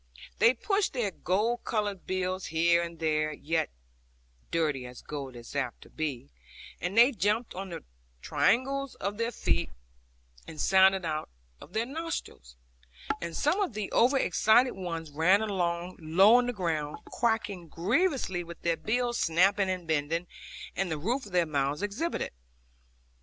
They pushed their gold coloured bills here and there (yet dirty, as gold is apt to be), and they jumped on the triangles of their feet, and sounded out of their nostrils; and some of the over excited ones ran along low on the ground, quacking grievously with their bills snapping and bending, and the roof of their mouths exhibited.